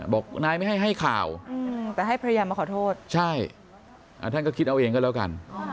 บอกนายไม่ให้ให้ข่าวแต่ให้ภรรยามาขอโทษใช่ท่านก็คิดเอาเองก็แล้วกัน